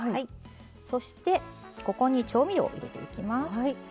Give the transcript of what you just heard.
そしてここに調味料を入れていきます。